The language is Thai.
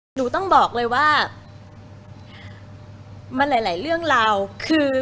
หนูต้องบอกเลยว่ามันหลายเรื่องราวคือ